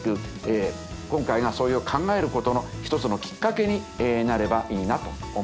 今回がそれを考えることの一つのきっかけになればいいなと思っています。